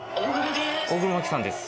大黒摩季さんです